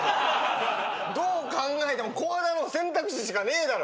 どう考えてもコハダの選択肢しかねえだろ。